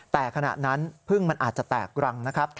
แต่ขณะนั้นพึ่งมันอาจจะแตกรังนะครับ